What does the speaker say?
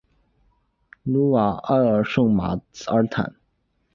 努瓦埃尔圣马尔坦。